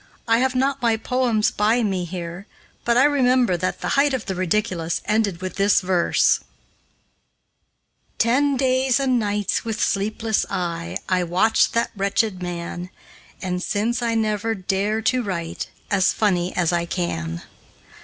I have not my poems by me here, but I remember that 'The Height of the Ridiculous' ended with this verse: "Ten days and nights, with sleepless eye, I watched that wretched man, And since, I never dare to write As funny as I can."